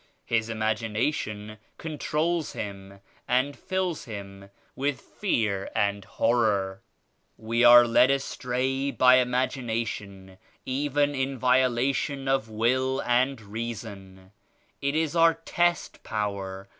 His imagination controls him and fills him with fear and horror. We are led astray by im agination, even in violation of will and reason. It is our test power.